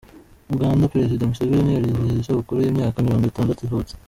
Uganda Perezida Museveni arizihiza isabukuru y’imyaka mirongwitandatu avutse